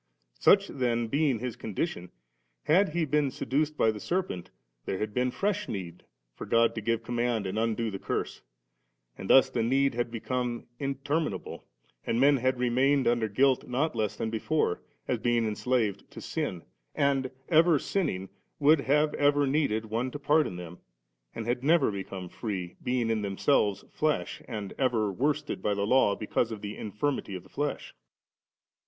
Such then being his condition, had he been se duced by the serpent, there had been fresh need for God to give command and undo the curse; and thus the need had become inter minable 7, and men had remained under guilt not less than before, as being enslaved to sin ; and, ever sinning, would have ever needed one to pardon them, and had never become free, being in themselves flesh, and ever worsted by the Law because of the infirmity of the flesL 69.